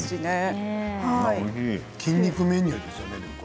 筋肉メニューですね。